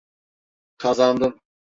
Kazandın.